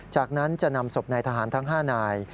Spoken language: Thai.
จากนั้นจะนำศพนายทหารทั้ง๕นาย